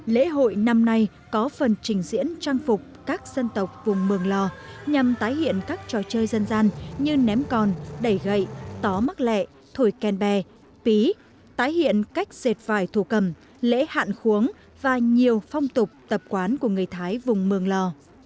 lễ hội năm nay có phần trình diễn trang phục các dân tộc vùng mường lò nhằm tái hiện các trò chơi dân gian như ném còn đẩy gậy tó mắc lẹ thổi kèn bè pí tái hiện cách dệt vải thổ cầm lễ hạn khuống và nhiều phong tục tập quán của người thái vùng mường lò